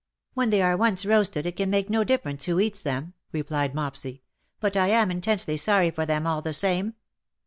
''When they are once roasted, it can make no diflFerence who eats them/^ rejilied Mopsy ;^' but I am intensely sorry for them all the same."